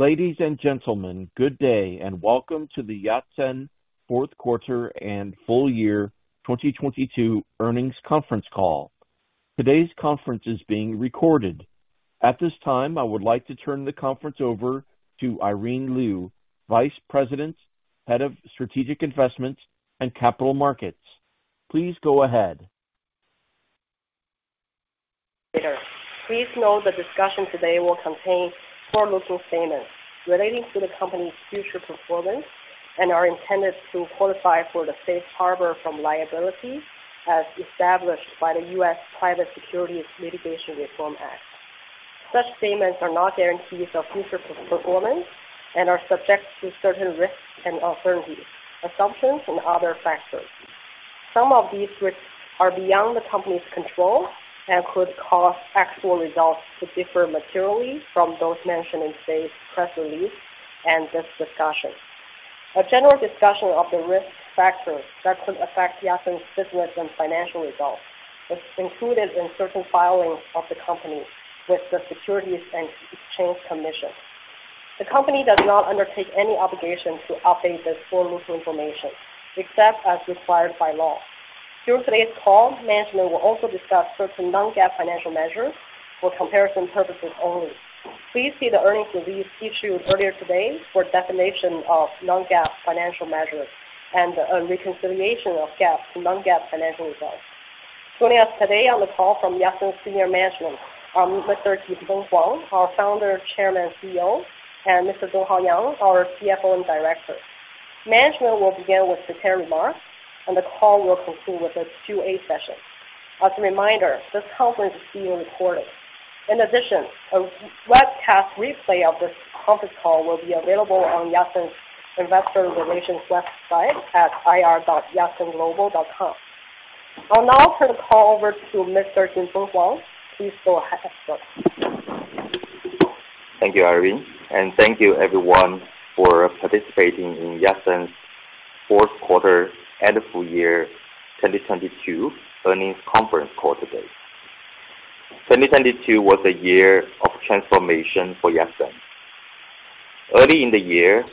Ladies and gentlemen, good day and welcome to the Yatsen fourth quarter and full year 2022 earnings conference call. Today's conference is being recorded. At this time, I would like to turn the conference over to Irene Lyu, Vice President, Head of Strategic Investments and Capital Markets. Please go ahead. Please note the discussion today will contain forward-looking statements relating to the company's future performance and are intended to qualify for the safe harbor from liability as established by the U.S. Private Securities Litigation Reform Act. Such statements are not guarantees of future performance and are subject to certain risks and uncertainties, assumptions and other factors. Some of these risks are beyond the company's control and could cause actual results to differ materially from those mentioned in today's press release and this discussion. A general discussion of the risks factors that could affect Yatsen's business and financial results is included in certain filings of the company with the Securities and Exchange Commission. The company does not undertake any obligation to update this forward-looking information except as required by law. During today's call, management will also discuss certain non-GAAP financial measures for comparison purposes only. Please see the earnings release issued earlier today for definition of non-GAAP financial measures and a reconciliation of GAAP to non-GAAP financial results. Joining us today on the call from Yatsen senior management are Mr. Jinfeng Huang, our Founder, Chairman, CEO, and Mr. Donghao Yang, our CFO and Director. Management will begin with prepared remarks and the call will proceed with a Q and A session. As a reminder, this conference is being recorded. A webcast replay of this conference call will be available on Yatsen's investor relations website at ir.yatsenglobal.com. I'll now turn the call over to Mr. Jinfeng Huang. Please go ahead, sir. Thank you, Irene, and thank you everyone for participating in Yatsen's fourth quarter and full year 2022 earnings conference call today. 2022 was a year of transformation for Yatsen. Early in the year,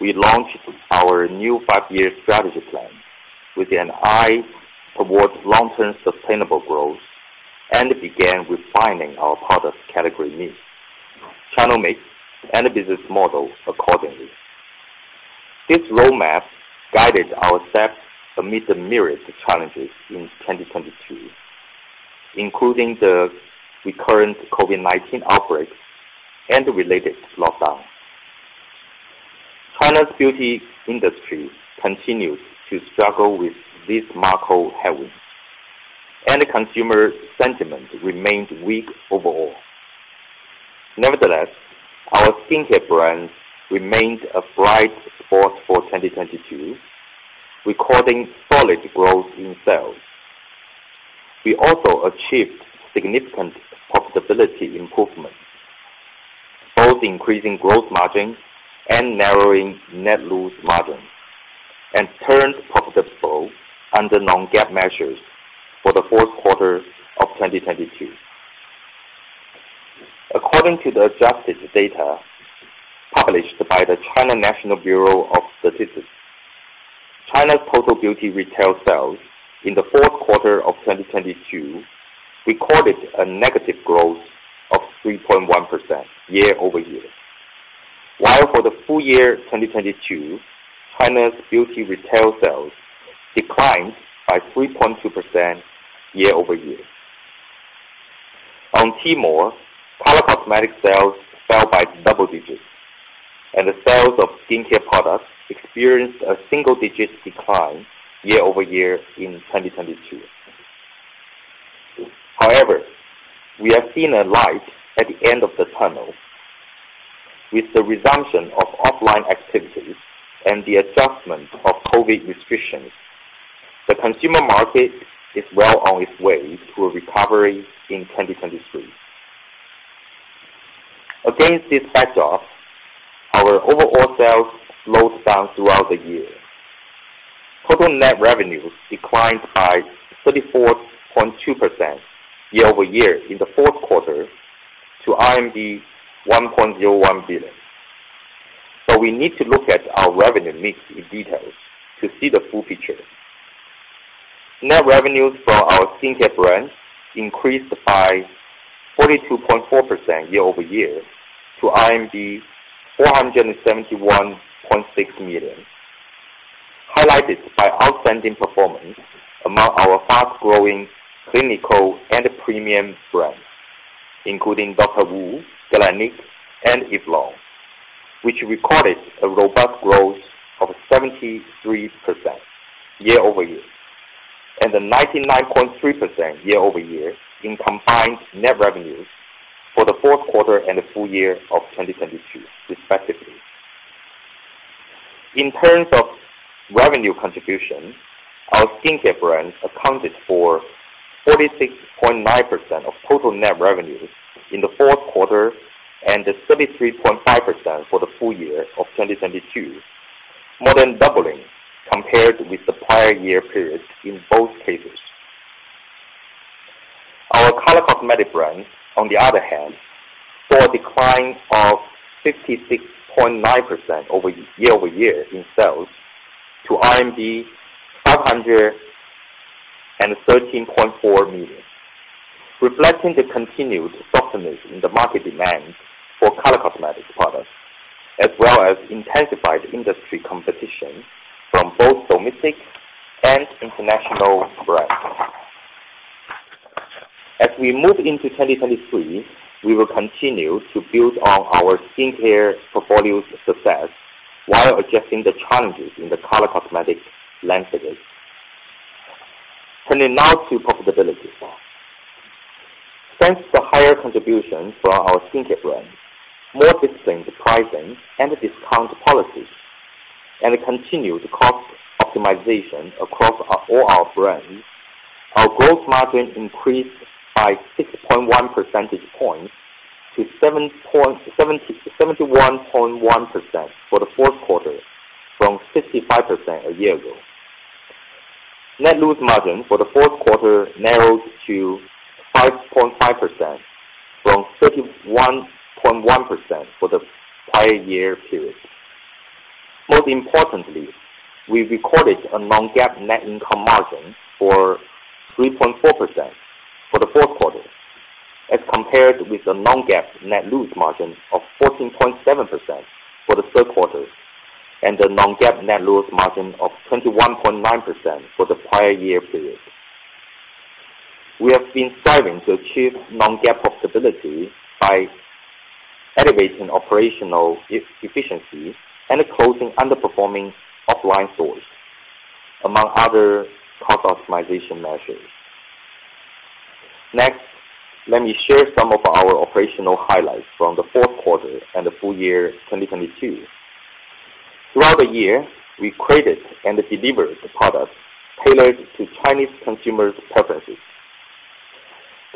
we launched our new five year strategy plan with an eye towards long-term sustainable growth and began refining our product category mix, channel mix, and business model accordingly. This roadmap guided our steps amid the myriad challenges in 2022, including the recurrent COVID-19 outbreak and related lockdowns. China's beauty industry continues to struggle with this macro headwind, and consumer sentiment remained weak overall. Nevertheless, our skincare brands remained a bright spot for 2022, recording solid growth in sales. We also achieved significant profitability improvement, both increasing gross margin and narrowing net loss margin, and turned profitable under non-GAAP measures for the fourth quarter of 2022. According to the adjusted data published by the National Bureau of Statistics of China's total beauty retail sales in the fourth quarter of 2022 recorded a negative growth of 3.1% year-over-year. While for the full year 2022, China's beauty retail sales declined by 3.2% year-over-year. On Tmall, color cosmetic sales fell by double digits, and the sales of skincare products experienced a single-digit decline year-over-year in 2022. However, we have seen a light at the end of the tunnel. With the resumption of offline activities and the adjustment of COVID restrictions, the consumer market is well on its way to a recovery in 2023. Against this backdrop, our overall sales slowed down throughout the year. Total net revenues declined by 34.2% year-over-year in the fourth quarter to 1.01 billion. We need to look at our revenue mix in details to see the full picture. Net revenues for our skincare brands increased by 42.4% year-over-year to 471.6 million, highlighted by outstanding performance among our fast-growing clinical and premium brands, including DR.WU, Galénic, and Eve Lom, which recorded a robust growth of 73% year-over-year, and a 99.3% year-over-year in combined net revenues for the fourth quarter and the full year of 2022, respectively. In terms of revenue contribution, our skincare brands accounted for 46.9% of total net revenues in the fourth quarter and 33.5% for the full year of 2022, more than doubling compared with the prior year period in both cases. Our color cosmetic brands, on the other hand, saw a decline of 56.9% year-over-year in sales to RMB 513.4 million, reflecting the continued softness in the market demand for color cosmetics products, as well as intensified industry competition from both domestic and international brands. As we move into 2023, we will continue to build on our skincare portfolio's success while addressing the challenges in the color cosmetics landscape. Turning now to profitability. Thanks to higher contribution from our skincare brands, more disciplined pricing and discount policies, and continued cost optimization across all our brands, our gross margin increased by 6.1 percentage points to 71.1% for the fourth quarter from 65% a year ago. Net loss margin for the fourth quarter narrowed to 5.5% from 31.1% for the prior year period. Most importantly, we recorded a non-GAAP net income margin for 3.4% for the fourth quarter as compared with the non-GAAP net loss margin of 14.7% for the third quarter and the non-GAAP net loss margin of 21.9% for the prior year period. We have been striving to achieve non-GAAP profitability by elevating operational efficiency and closing underperforming offline stores, among other cost optimization measures. Next, let me share some of our operational highlights from the fourth quarter and the full year 2022. Throughout the year, we created and delivered products tailored to Chinese consumers' preferences.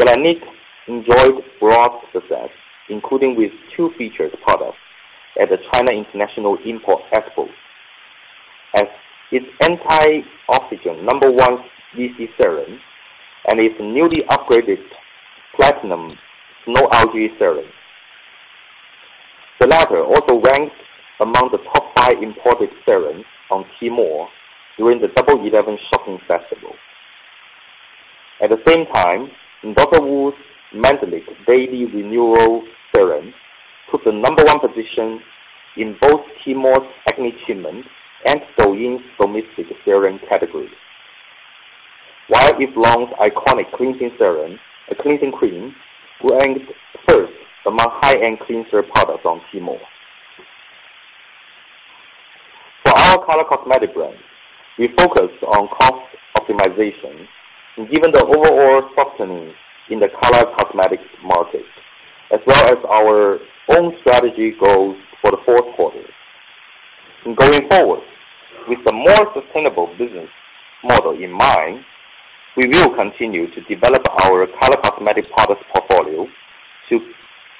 Laneige enjoyed broad success, including with two featured products at the China International Import Expo as its Anti-Oxygen No.1 VC Serum and its newly upgraded Platinum Snow Algae Serum. The latter also ranked among the top five imported serums on Tmall during the Double 11 shopping festival. At the same time, DR.WU's Mandelic Daily Renewal Serum took the No. 1 position in both Tmall's acne treatment and Douyin's domestic serum categories, while Eve Lom's iconic cleansing serum, the cleansing cream, ranked third among high-end cleanser products on Tmall. For our color cosmetic brands, we focused on cost optimization, given the overall softening in the color cosmetics market, as well as our own strategy goals for the fourth quarter. Going forward, with a more sustainable business model in mind, we will continue to develop our color cosmetic products portfolio to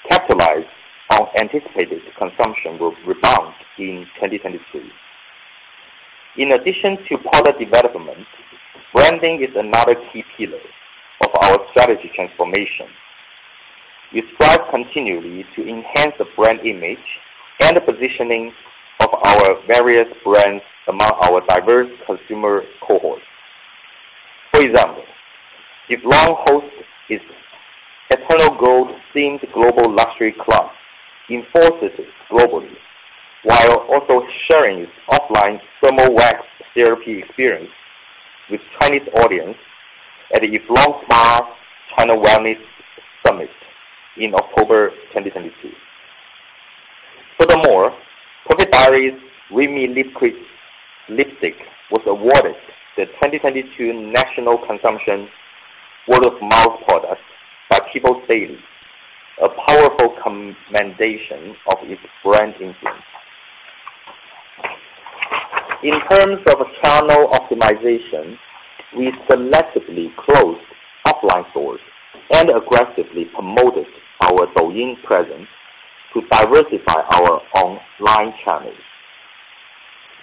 capitalize on anticipated consumption re-rebound in 2023. In addition to product development, branding is another key pillar of our strategy transformation. We strive continually to enhance the brand image and the positioning of our various brands among our diverse consumer cohorts. For example, Eve Lom hosts its Eternal Gold-themed global luxury club in four cities globally, while also sharing its offline thermal wax therapy experience with Chinese audience at Eve Lom Spa China Wellness Summit in October 2022. Perfect Diary's ReadMe Liquid Lipstick was awarded the 2022 National Consumption Word of Mouth Product by People's Daily, a powerful commendation of its brand influence. In terms of channel optimization, we selectively closed offline stores and aggressively promoted our Douyin presence to diversify our online channels.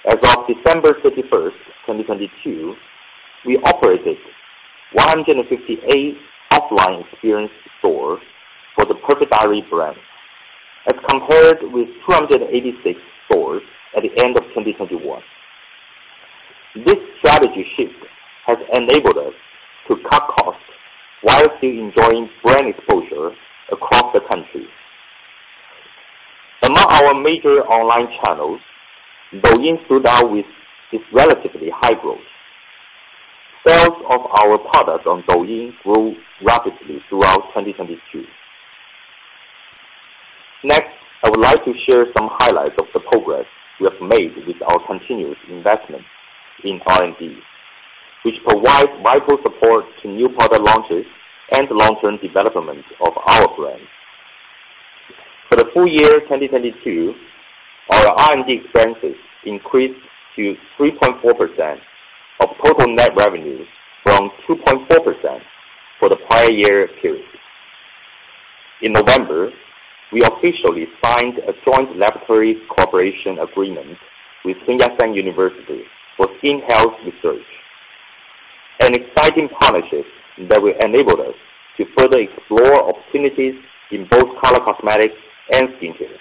As of December 31st, 2022, we operated 158 offline experience stores for the Perfect Diary brand as compared with 286 stores at the end of 2021. This strategy shift has enabled us to cut costs while still enjoying brand exposure across the country. Among our major online channels, Douyin stood out with its relatively high growth. Sales of our products on Douyin grew rapidly throughout 2022. Next, I would like to share some highlights of the progress we have made with our continuous investment in R&D, which provides vital support to new product launches and long-term development of our brands. For the full year 2022, our R&D expenses increased to 3.4% of total net revenues from 2.4% for the prior year period. In November, we officially signed a joint laboratory cooperation agreement with Tsinghua University for skin health research. An exciting partnership that will enable us to further explore opportunities in both color cosmetics and skincare.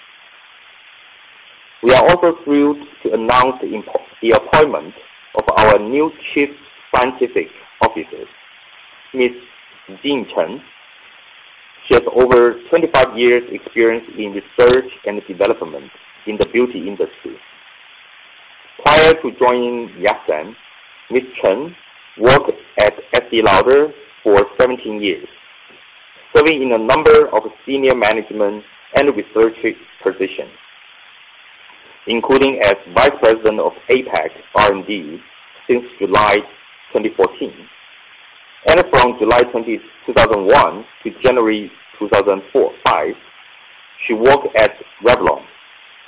We are also thrilled to announce the appointment of our new Chief Scientific Officer, Ms. Jing Chen. She has over 25 years experience in research and development in the beauty industry. Prior to joining Yatsen, Ms. Chen worked at Estée Lauder for 17 years, serving in a number of senior management and research positions, including as Vice President of APAC R&D since July 2014. From July 20th, 2001 to January 2005, she worked at Revlon,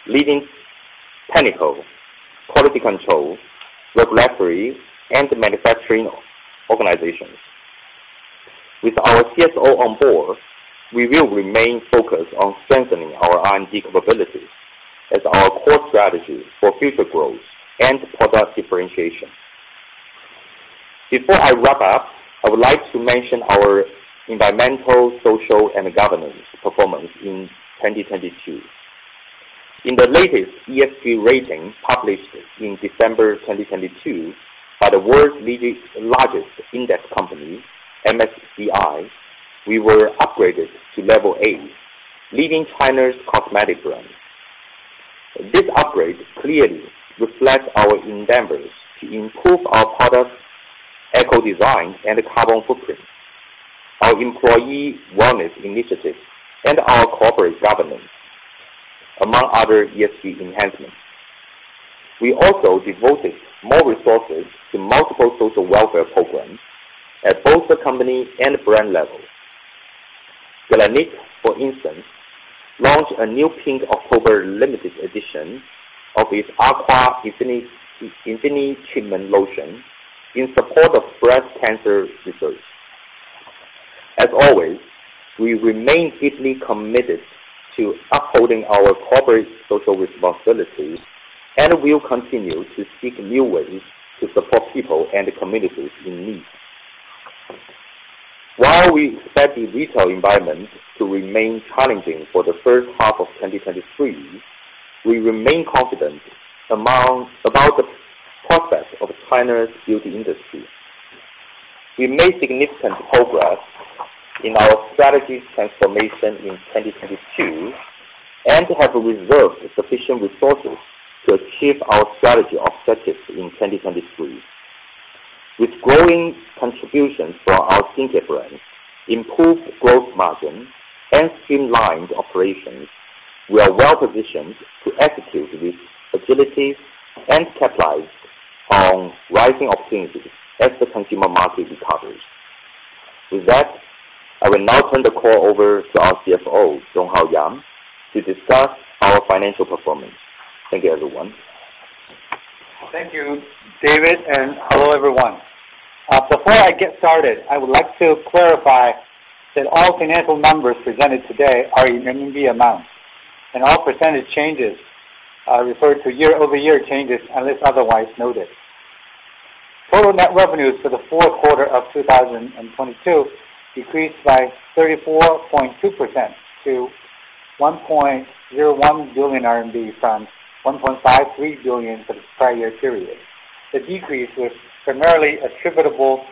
leading technical, quality control, laboratory, and manufacturing organizations. With our CSO on board, we will remain focused on strengthening our R&D capabilities as our core strategy for future growth and product differentiation. Before I wrap up, I would like to mention our environmental, social, and governance performance in 2022. In the latest ESG rating published in December 2022 by the world largest index company, MSCI, we were upgraded to level A, leading China's cosmetic brands. This upgrade clearly reflects our endeavors to improve our product eco-design and carbon footprint, our employee wellness initiatives, and our corporate governance, among other ESG enhancements. We also devoted more resources to multiple social welfare programs at both the company and brand level. Laneige, for instance, launched a new Pink October limited edition of its Aqua Infini-Infinity Treatment lotion in support of breast cancer research. As always, we remain deeply committed to upholding our corporate social responsibility, will continue to seek new ways to support people and communities in need. While we expect the retail environment to remain challenging for the first half of 2023, we remain confident about the progress of China's beauty industry. We made significant progress in our strategy transformation in 2022, have reserved sufficient resources to achieve our strategy objectives in 2023. With growing contributions from our skincare brands, improved gross margin, and streamlined operations, we are well-positioned to execute with agility and capitalize on rising opportunities as the consumer market recovers. With that, I will now turn the call over to our CFO, Donghao Yang, to discuss our financial performance. Thank you, everyone. Thank you, David. Hello, everyone. Before I get started, I would like to clarify that all financial numbers presented today are in RMB amounts, and all percentage changes are referred to year-over-year changes, unless otherwise noted. Total net revenues for the fourth quarter of 2022 decreased by 34.2% to 1.01 billion RMB from 1.53 billion for the prior year period. The decrease was primarily attributable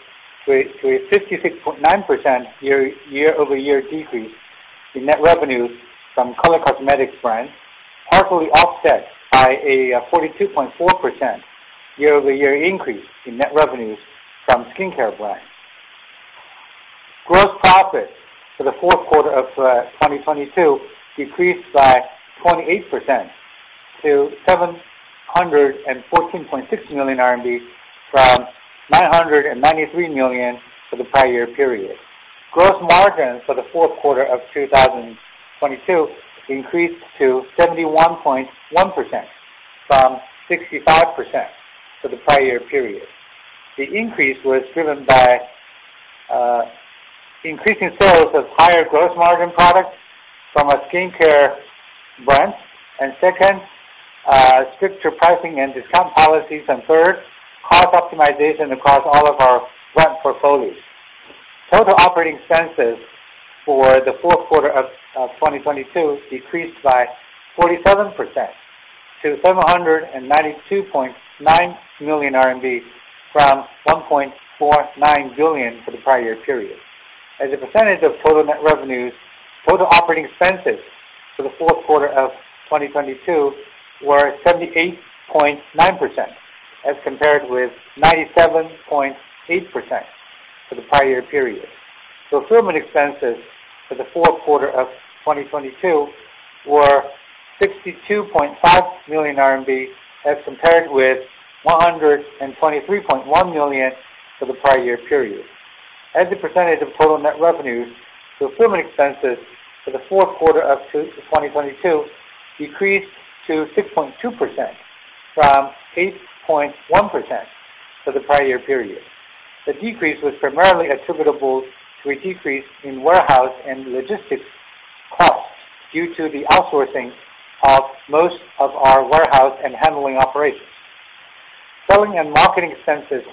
to a 56.9% year-over-year decrease in net revenues from color cosmetics brands, partially offset by a 42.4% year-over-year increase in net revenues from skincare brands. Gross profit for the fourth quarter of 2022 decreased by 28% to 714.6 million RMB from 993 million for the prior year period. Gross margin for the fourth quarter of 2022 increased to 71.1% from 65% for the prior year period. The increase was driven by increasing sales of higher gross margin products from our skincare brands, second, stricter pricing and discount policies, third, cost optimization across all of our brand portfolios. Total operating expenses for the fourth quarter of 2022 decreased by 47% to 792.9 million RMB, from 1.49 billion for the prior year period. As a percentage of total net revenues, total operating expenses for the fourth quarter of 2022 were 78.9% as compared with 97.8% for the prior year period. Fulfillment expenses for the fourth quarter of 2022 were 62.5 million RMB as compared with 123.1 million for the prior year period. As a percentage of total net revenues, fulfillment expenses for the fourth quarter of 2022 decreased to 6.2% from 8.1% for the prior year period. The decrease was primarily attributable to a decrease in warehouse and logistics costs due to the outsourcing of most of our warehouse and handling operations. Selling and marketing expenses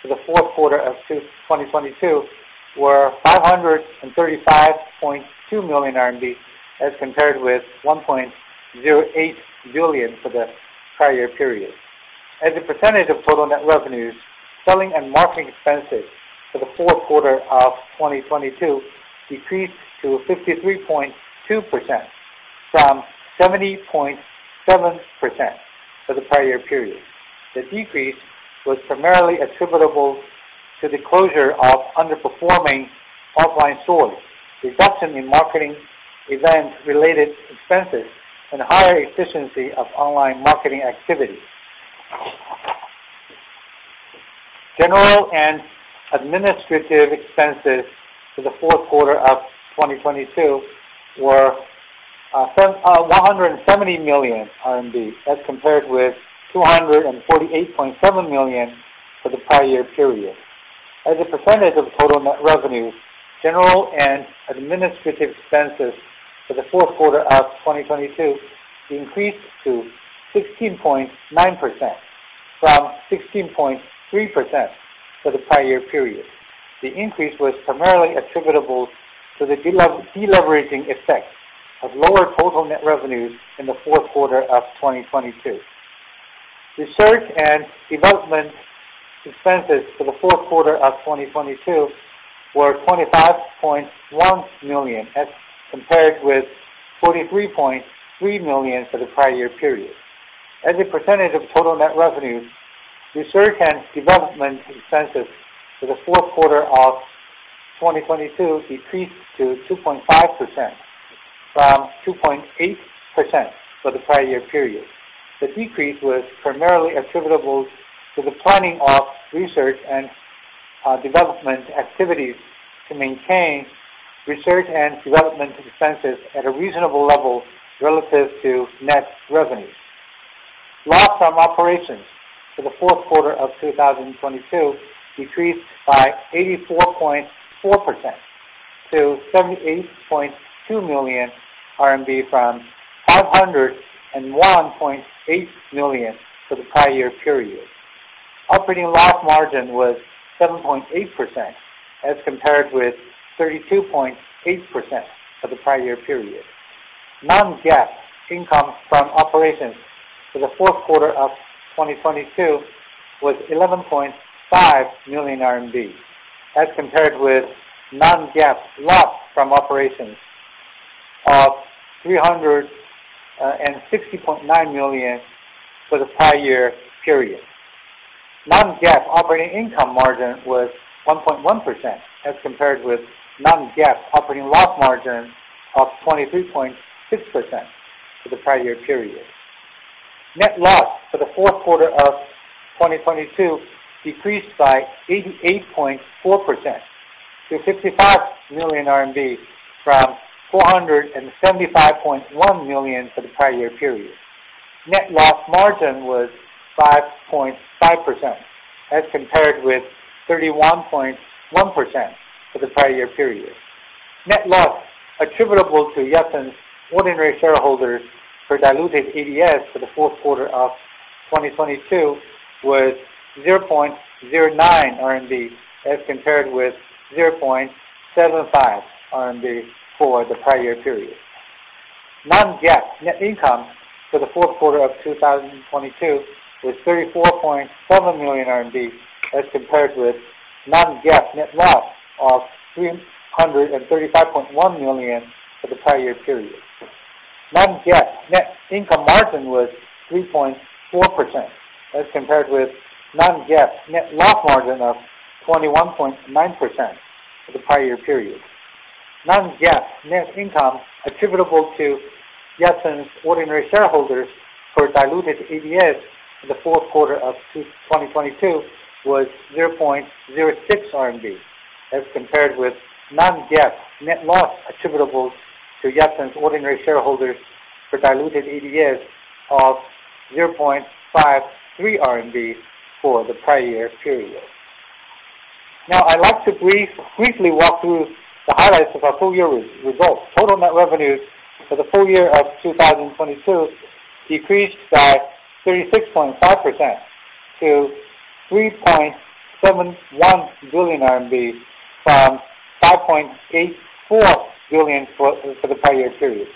for the fourth quarter of 2022 were 535.2 million RMB as compared with 1.08 billion for the prior year period. As a percentage of total net revenues, selling and marketing expenses for the fourth quarter of 2022 decreased to 53.2% from 70.7% for the prior year period. The decrease was primarily attributable to the closure of underperforming offline stores, reduction in marketing event related expenses, and higher efficiency of online marketing activities. General and administrative expenses for the fourth quarter of 2022 were 170 million RMB as compared with 248.7 million for the prior year period. As a percentage of total net revenue, general and administrative expenses for the fourth quarter of 2022 increased to 16.9% from 16.3% for the prior year period. The increase was primarily attributable to the deleveraging effect of lower total net revenues in the fourth quarter of 2022. Research and development expenses for the fourth quarter of 2022 were 25.1 million as compared with 43.3 million for the prior year period. As a percentage of total net revenues, research and development expenses for the fourth quarter of 2022 decreased to 2.5% from 2.8% for the prior year period. The decrease was primarily attributable to the planning of research and development activities to maintain research and development expenses at a reasonable level relative to net revenues. Loss from operations for the fourth quarter of 2022 decreased by 84.4% to 78.2 million RMB from 501.8 million for the prior year period. Operating loss margin was 7.8% as compared with 32.8% for the prior year period. Non-GAAP income from operations for the fourth quarter of 2022 was 11.5 million RMB as compared with non-GAAP loss from operations of 360.9 million for the prior year period. Non-GAAP operating income margin was 1.1% as compared with non-GAAP operating loss margin of 23.6% for the prior year period. Net loss for the fourth quarter of 2022 decreased by 88.4% to 55 million RMB from 475.1 million for the prior year period. Net loss margin was 5.5% as compared with 31.1% for the prior year period. Net loss attributable to Yatsen's ordinary shareholders per diluted ADS for the fourth quarter of 2022 was 0.09 RMB as compared with 0.75 RMB for the prior year period. Non-GAAP net income for the fourth quarter of 2022 was 34.7 million RMB as compared with non-GAAP net loss of 335.1 million for the prior year period. Non-GAAP net income margin was 3.4% as compared with non-GAAP net loss margin of 21.9% for the prior year period. Non-GAAP net income attributable to Yatsen's ordinary shareholders per diluted ADS in the fourth quarter of 2022 was 0.06 RMB, as compared with non-GAAP net loss attributable to Yatsen's ordinary shareholders per diluted ADS of 0.53 RMB for the prior year period. Now, I'd like to briefly walk through the highlights of our full year results. Total net revenues for the full year of 2022 decreased by 36.5% to 3.71 billion RMB from 5.84 billion for the prior year period,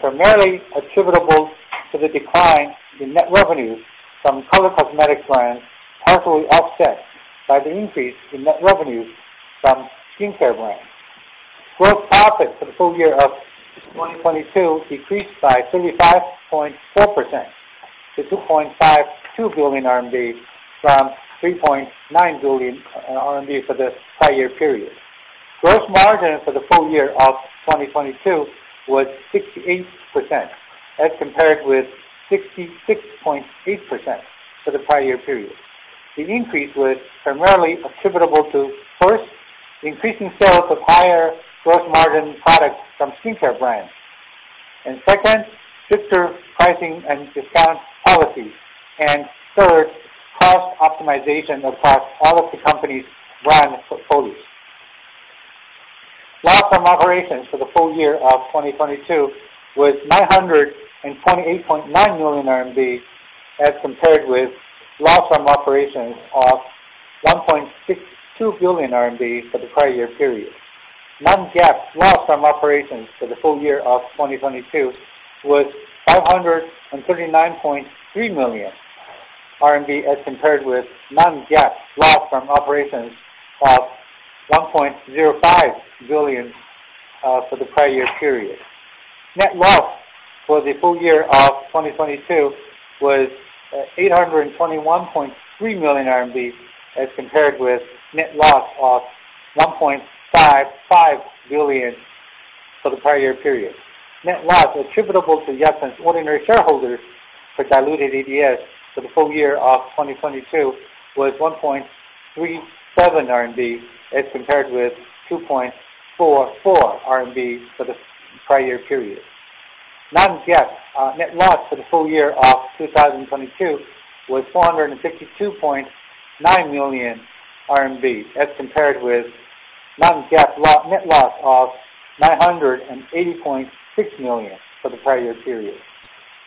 primarily attributable to the decline in net revenues from color cosmetics brands, partially offset by the increase in net revenues from skincare brands. Gross profit for the full year of 2022 decreased by 35.4% to 2.52 billion RMB from 3.9 billion RMB for the prior year period. Gross margin for the full year of 2022 was 68%, as compared with 66.8% for the prior year period. The increase was primarily attributable to, first, the increasing sales of higher gross margin products from skincare brands. Second, stricter pricing and discount policy. Third, cost optimization across all of the company's brand portfolios. Loss from operations for the full year of 2022 was 928.9 million RMB as compared with loss from operations of 1.62 billion RMB for the prior year period. Non-GAAP loss from operations for the full year of 2022 was 539.3 million RMB as compared with non-GAAP loss from operations of 1.05 billion for the prior year period. Net loss for the full year of 2022 was 821.3 million RMB as compared with net loss of 1.55 billion for the prior year period. Net loss attributable to Yatsen's ordinary shareholders for diluted EPS for the full year of 2022 was 1.37 RMB as compared with 2.44 RMB for the prior year period. Non-GAAP net loss for the full year of 2022 was 462.9 million RMB as compared with non-GAAP net loss of 980.6 million for the prior year period.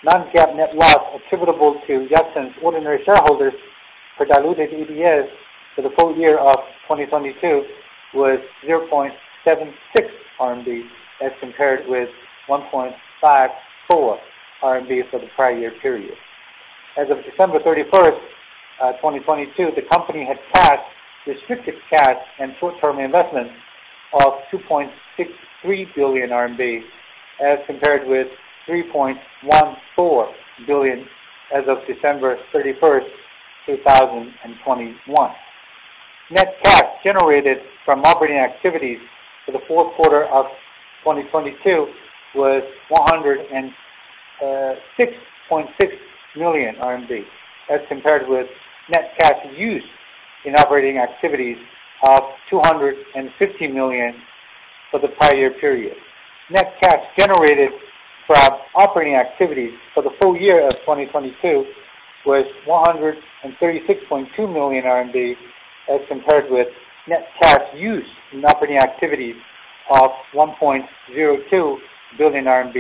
Non-GAAP net loss attributable to Yatsen's ordinary shareholders for diluted EPS for the full year of 2022 was 0.76 RMB as compared with 1.54 RMB for the prior year period. As of December 31, 2022, the company had cash, restricted cash and short-term investments of 2.63 billion RMB as compared with 3.14 billion as of December 31, 2021. Net cash generated from operating activities for the fourth quarter of 2022 was 106.6 million RMB, as compared with net cash used in operating activities of 250 million for the prior year period. Net cash generated from operating activities for the full year of 2022 was 136.2 million RMB, as compared with net cash used in operating activities of 1.02 billion RMB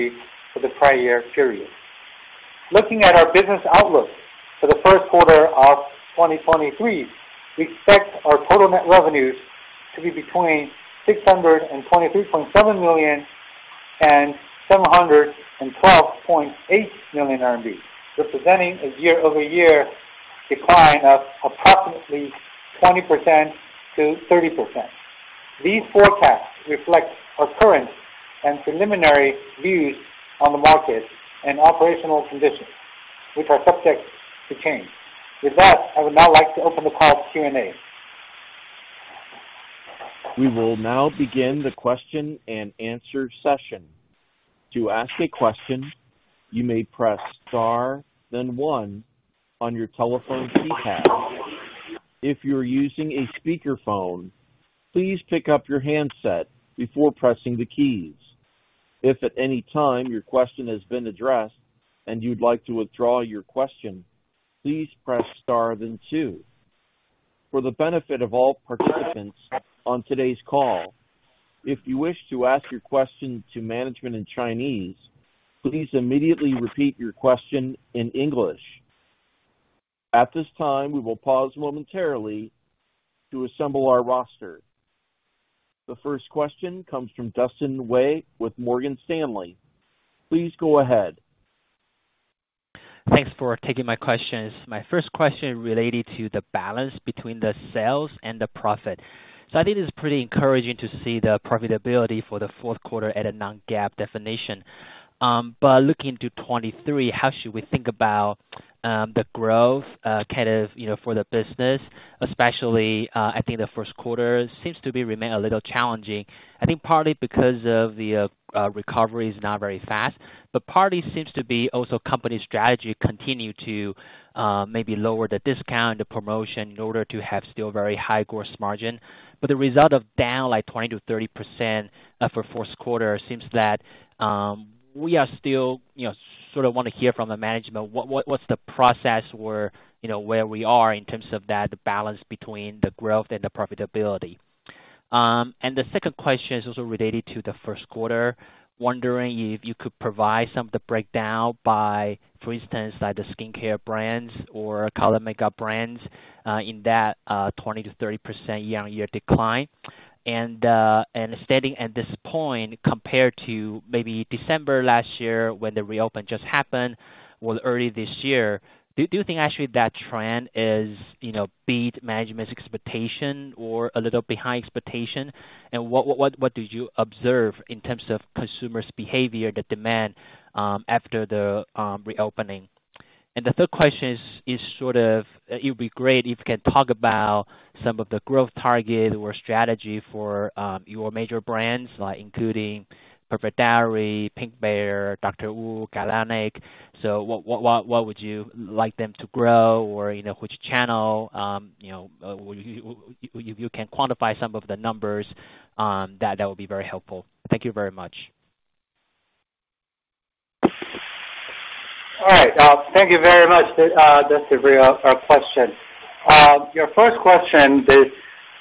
for the prior year period. Looking at our business outlook for the first quarter of 2023, we expect our total net revenues to be between 623.7 million and 712.8 million RMB, representing a year-over-year decline of approximately 20%-30%. These forecasts reflect our current and preliminary views on the market and operational conditions, which are subject to change. With that, I would now like to open the call to Q and A. We will now begin the question-and-answer session. To ask a question, you may press star then one on your telephone keypad. If you're using a speakerphone, please pick up your handset before pressing the keys. If at any time your question has been addressed and you'd like to withdraw your question, please press star then two. For the benefit of all participants on today's call, if you wish to ask your question to management in Chinese, please immediately repeat your question in English. At this time, we will pause momentarily to assemble our roster. The first question comes from Dustin Wei with Morgan Stanley. Please go ahead. Thanks for taking my questions. My first question related to the balance between the sales and the profit. I think it's pretty encouraging to see the profitability for Q4 at a non-GAAP definition. But looking into 2023, how should we think about the growth, kind of, you know, for the business especially, I think Q1 seems to be remain a little challenging. I think partly because of the recovery is not very fast, but partly seems to be also company strategy continue to maybe lower the discount, the promotion in order to have still very high gross margin. The result of down like 20%-30% for fourth quarter seems that we are still, you know, sort of want to hear from the management what's the process where, you know, where we are in terms of that balance between the growth and the profitability? The second question is also related to the first quarter. Wondering if you could provide some of the breakdown by, for instance, like the skincare brands or color makeup brands in that 20%-30% year-on-year decline? Standing at this point, compared to maybe December last year when the reopen just happened or early this year, do you think actually that trend is, you know, beat management's expectation or a little behind expectation? What did you observe in terms of consumers behavior, the demand after the reopening? The third question is sort of it would be great if you can talk about some of the growth target or strategy for your major brands like including Perfect Diary, Pink Bear, DR.WU, Galénic. What would you like them to grow or you know, which channel? You know, you can quantify some of the numbers that would be very helpful. Thank you very much. All right. Thank you very much, that's a real question. Your first question is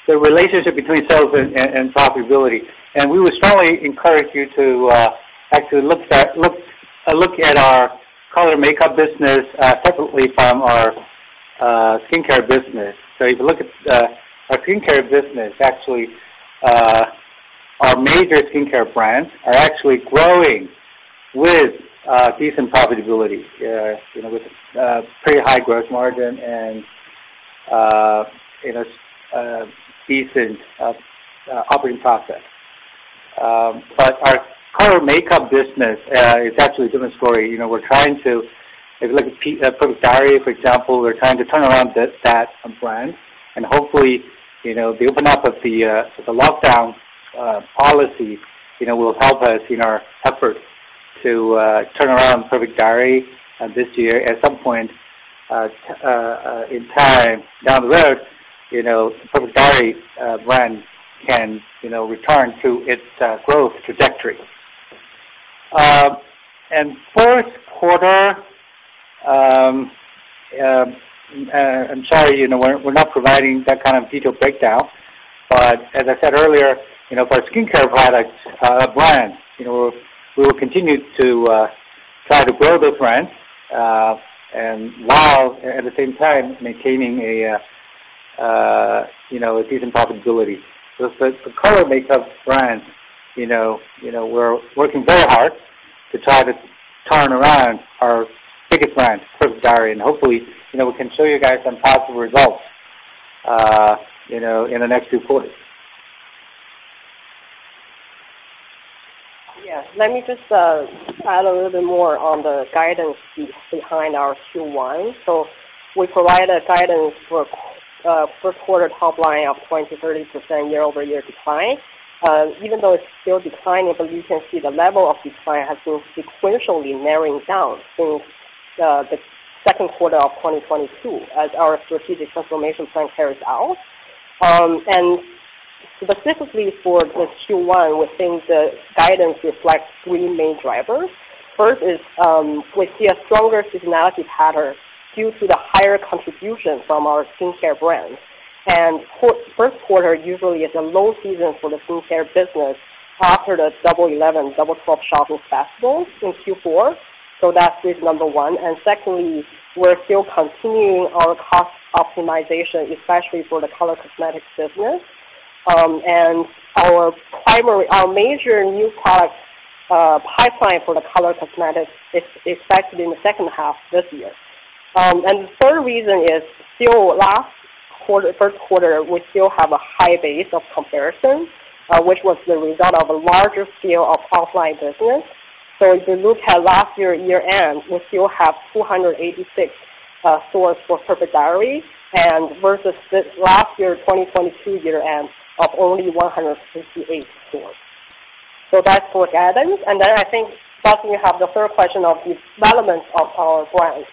the relationship between sales and profitability. We would strongly encourage you to actually look at our color makeup business separately from our skincare business. If you look at our skincare business, actually, our major skincare brands are actually growing with decent profitability, you know, with pretty high gross margin and, you know, decent operating profit. Our color makeup business is actually a different story. You know, If you look at Perfect Diary, for example, we're trying to turn around that brand. Hopefully, you know, the open up of the lockdown policy, you know, will help us in our effort to turn around Perfect Diary this year. At some point in time down the road, you know, Perfect Diary brand can, you know, return to its growth trajectory. I'm sorry, you know, we're not providing that kind of detailed breakdown. As I said earlier, you know, for our skincare products brands, you know, we will continue to try to grow those brands and while at the same time maintaining a, you know, a decent profitability. For color makeup brands, you know, we're working very hard to try to turn around our biggest brand, Perfect Diary. Hopefully, you know, we can show you guys some positive results, you know, in the next few quarters. Yeah. Let me just add a little bit more on the guidance behind our Q1. We provide a guidance for first quarter top line of 20%-30% year-over-year decline. Even though it's still declining, but you can see the level of decline has been sequentially narrowing down since the second quarter of 2022 as our strategic transformation plan carries out. Specifically for the Q1, we think the guidance reflects three main drivers. First is, we see a stronger seasonality pattern due to the higher contribution from our skincare brands. First quarter usually is a low season for the skincare business after the Double 11, Double 12 shopping festivals in Q4. That is number one. Secondly, we're still continuing our cost optimization, especially for the color cosmetics business. And our primary... Our major new product pipeline for the color cosmetics is expected in the second half this year. The third reason is still last quarter, first quarter, we still have a high base of comparison, which was the result of a larger scale of offline business. If you look at last year end, we still have 286 stores for Perfect Diary and versus last year, 2022 year end of only 158 stores. That's for guidance. I think, Dustin, you have the third question of the development of our brands.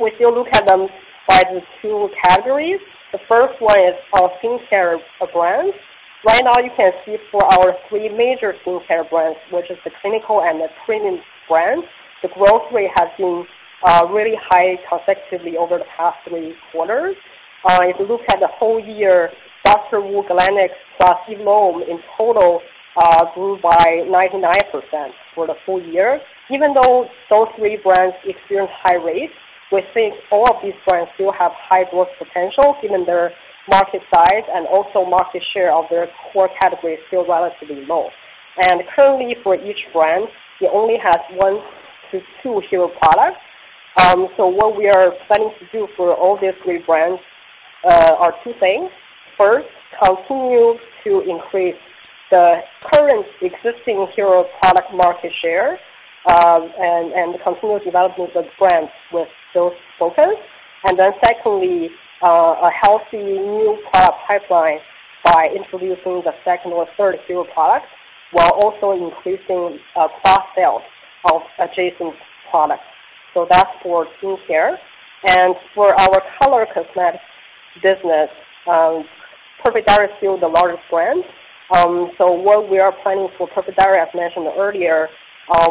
We still look at them by the two categories. The first one is our skincare brands. Right now you can see for our three major skincare brands, which is the clinical and the premium brands, the growth rate has been really high consecutively over the past three quarters. If you look at the whole year, DR.WU, Galénic, plus Eve Lom in total, grew by 99% for the full year. Even though those three brands experienced high rates, we think all of these brands still have high growth potential given their market size and also market share of their core category is still relatively low. Currently for each brand, we only have one to two hero products. What we are planning to do for all these three brands are two things. First, continue to increase the current existing hero product market share and continue developing the brands with those focus. Secondly, a healthy new product pipeline by introducing the second or third hero product, while also increasing cross-sales of adjacent products. That's for skincare. For our color cosmetics business, Perfect Diary is still the largest brand. What we are planning for Perfect Diary, as mentioned earlier,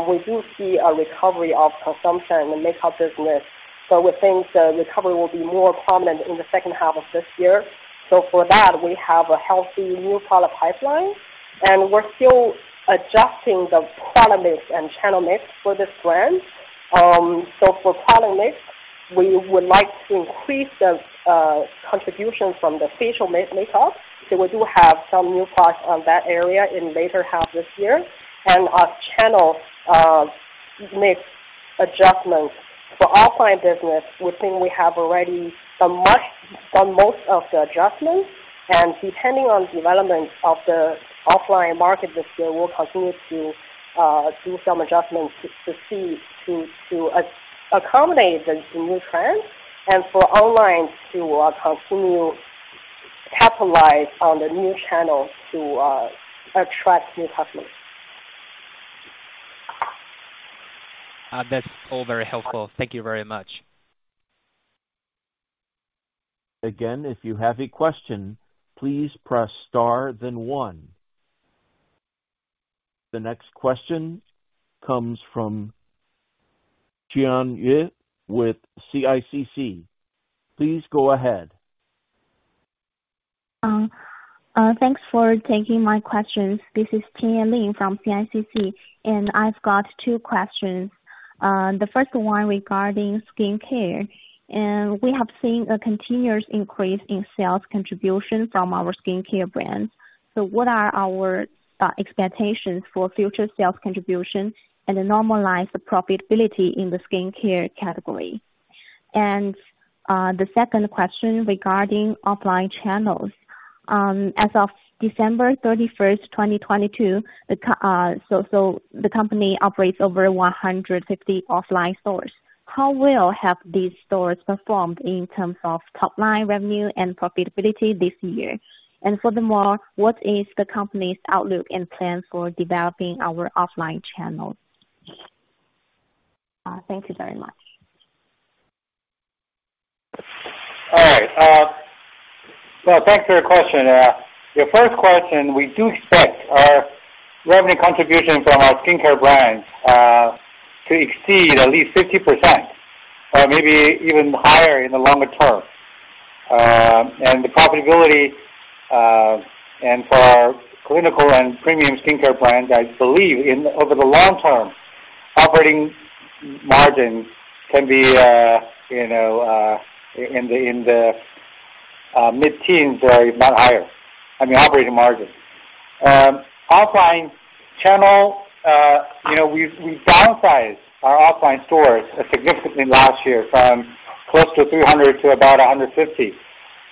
we do see a recovery of consumption in the makeup business. We think the recovery will be more prominent in the second half of this year. For that, we have a healthy new product pipeline, and we're still adjusting the product mix and channel mix for this brand. For product mix, we would like to increase the contribution from the facial makeup. We do have some new products on that area in later half this year. Our channel mix adjustments for offline business, we think we have already done most of the adjustments. Depending on development of the offline market this year, we'll continue to do some adjustments to accommodate the new trends and for online to continue capitalize on the new channels to attract new customers. That's all very helpful. Thank you very much. Again, if you have a question, please press star then one. The next question comes from Jian Yi with CICC. Please go ahead. Thanks for taking my questions. This is Jian Yi from CICC. I've got two questions. The first one regarding skincare. We have seen a continuous increase in sales contribution from our skincare brands. What are our expectations for future sales contribution and a normalized profitability in the skincare category? The second question regarding offline channels. As of December 31, 2022, the company operates over 150 offline stores. How well have these stores performed in terms of top-line revenue and profitability this year? Furthermore, what is the company's outlook and plans for developing our offline channels? Thank you very much. All right. Well, thanks for your question. Your first question, we do expect our revenue contribution from our skincare brands, to exceed at least 50% or maybe even higher in the longer term. The profitability, and for our clinical and premium skincare brands, I believe in over the long term, operating margin can be, you know, in the mid-teens or if not higher, I mean, operating margin. Offline channel, you know, we've downsized our offline stores significantly last year from close to 300 to about 150.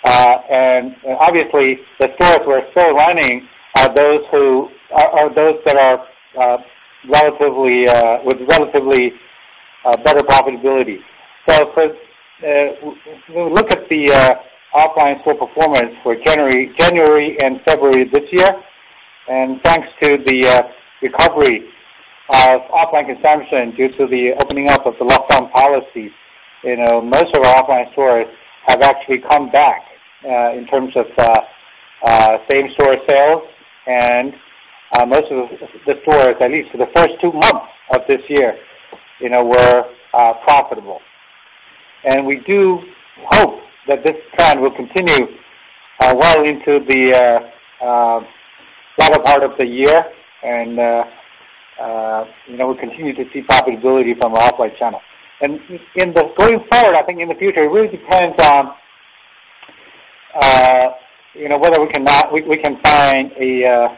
Obviously the stores we're still running are those that are relatively with relatively better profitability. For when we look at the offline store performance for January and February this year, thanks to the recovery of offline consumption due to the opening up of the lockdown policies, you know, most of our offline stores have actually come back in terms of same-store sales. Most of the stores, at least for the first two months of this year, you know, were profitable. We do hope that this trend will continue well into the latter part of the year. You know, we continue to see profitability from our offline channel. Going forward, I think in the future, it really depends on, you know, whether we can now... We can find a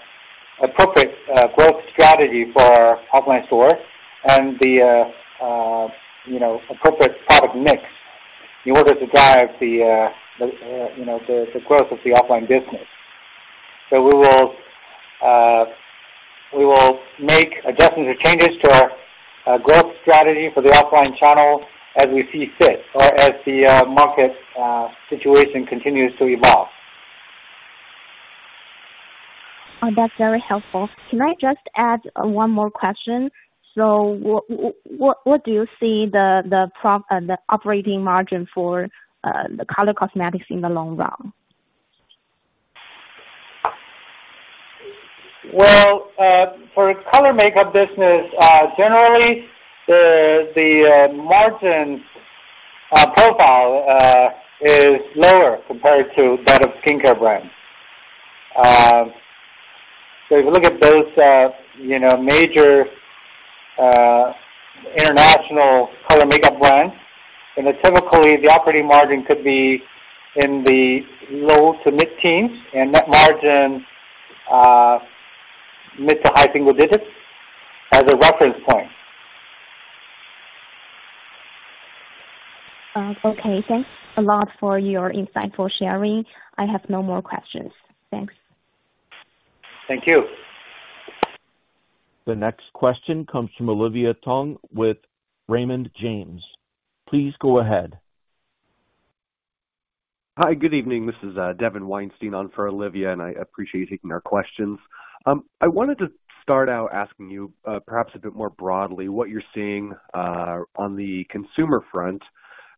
appropriate growth strategy for our offline store and the, you know, appropriate product mix in order to drive the, you know, the growth of the offline business. we will make adjustments or changes to our growth strategy for the offline channel as we see fit or as the market situation continues to evolve. Oh, that's very helpful. Can I just add one more question? What do you see the operating margin for the color cosmetics in the long run? Well, for color makeup business, generally the margin profile is lower compared to that of skincare brands. If you look at those, you know, major International Color Makeup brands, and then typically the operating margin could be in the low to mid teens and net margin, mid to high single digits as a reference point. Okay. Thanks a lot for your insight for sharing. I have no more questions. Thanks. Thank you. The next question comes from Olivia Tong with Raymond James. Please go ahead. Hi, good evening. This is Devan Weinstein on for Olivia, and I appreciate you taking our questions. I wanted to start out asking you perhaps a bit more broadly what you're seeing on the consumer front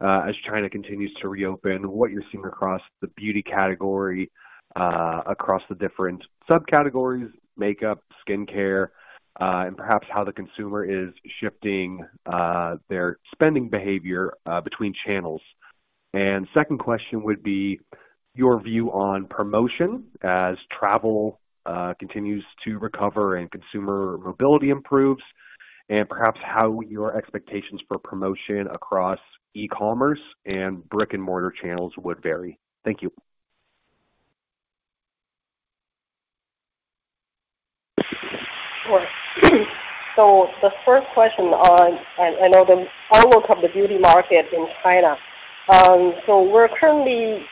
as China continues to reopen, what you're seeing across the beauty category, across the different subcategories, makeup, skincare, and perhaps how the consumer is shifting their spending behavior between channels. Second question would be your view on promotion as travel continues to recover and consumer mobility improves, and perhaps how your expectations for promotion across e-commerce and brick-and-mortar channels would vary. Thank you. Sure. The first question on, I know the outlook of the beauty market in China. We're currently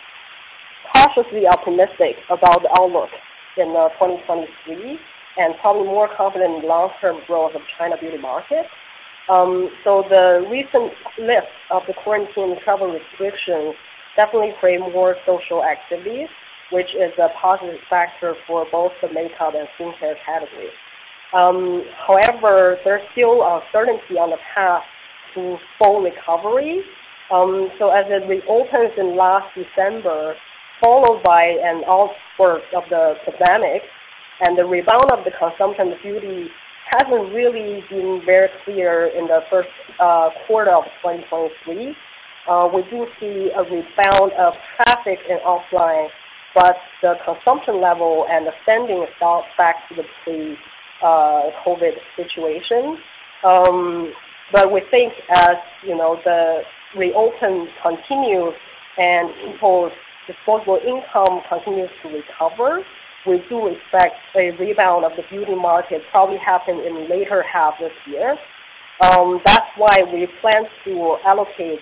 cautiously optimistic about the outlook in 2023 and probably more confident in long-term growth of China beauty market. The recent lift of the quarantine travel restrictions definitely frame more social activities, which is a positive factor for both the makeup and skincare category. However, there's still uncertainty on the path to full recovery. As it reopens in last December, followed by an outburst of the pandemic and the rebound of the consumption beauty hasn't really been very clear in the first quarter of 2023. We do see a rebound of traffic in offline, the consumption level and the spending is still tracked with the COVID situation. We think as, you know, the reopen continue and people's disposable income continues to recover, we do expect a rebound of the beauty market probably happen in the later half this year. That's why we plan to allocate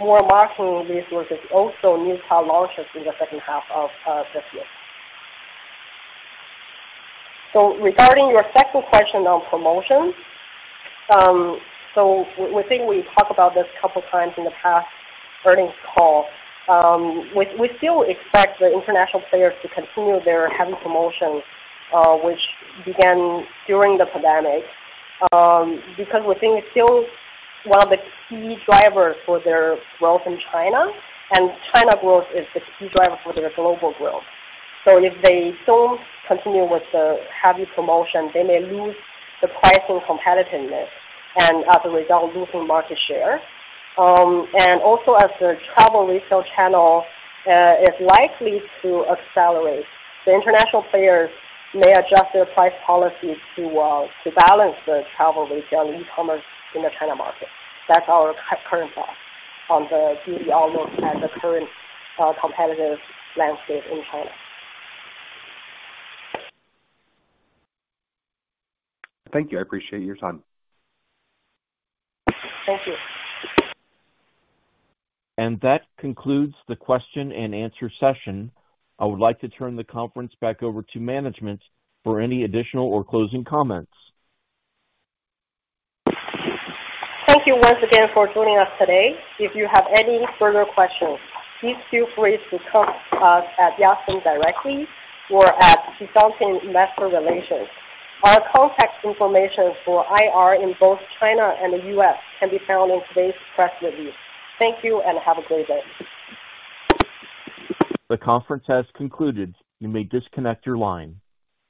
more marketing resources, also new product launches in the second half of this year. Regarding your second question on promotions, we think we talked about this a couple times in the past earnings call. We still expect the international players to continue their heavy promotion, which began during the pandemic, because we think it's still one of the key drivers for their growth in China, and China growth is the key driver for their global growth. If they don't continue with the heavy promotion, they may lose the pricing competitiveness and as a result, losing market share. As the travel retail channel is likely to accelerate, the international players may adjust their price policy to balance the travel retail and e-commerce in the China market. That's our current thought on the beauty outlook and the current competitive landscape in China. Thank you. I appreciate your time. Thank you. That concludes the question and answer session. I would like to turn the conference back over to management for any additional or closing comments. Thank you once again for joining us today. If you have any further questions, please feel free to contact us at Yatsen directly or at Yatsen Investor Relations. Our contact information for IR in both China and the U.S. can be found in today's press release. Thank you and have a great day. The conference has concluded. You may disconnect your line.